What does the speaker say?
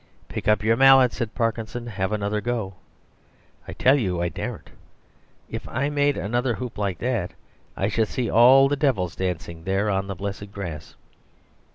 "Pick your mallet up," said Parkinson, "have another go." "I tell you I daren't. If I made another hoop like that I should see all the devils dancing there on the blessed grass."